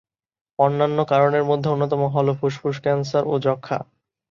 অন্যান্য কারণের মধ্যে অন্যতম হলো ফুসফুস ক্যান্সার ও যক্ষ্মা।